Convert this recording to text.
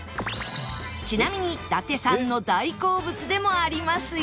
ちなみに伊達さんの大好物でもありますよ